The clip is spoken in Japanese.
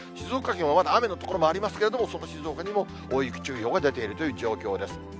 静岡県はまだ雨の所もありますけれども、その静岡にも大雪注意報が出ているという状況です。